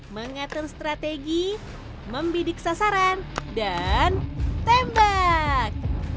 mengatur strategi membidik sasaran dan tembak